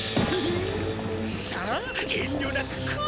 さあ遠慮なく食え。